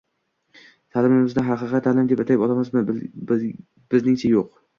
ta’limimizni haqiqiy ta’lim deb atay olamizmi? Bizningcha yo‘q.